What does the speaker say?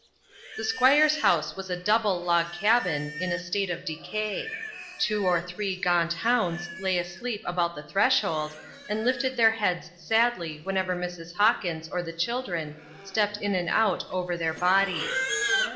The Squire's house was a double log cabin, in a state of decay; two or three gaunt hounds lay asleep about the threshold, and lifted their heads sadly whenever Mrs. Hawkins or the children stepped in and out over their bodies.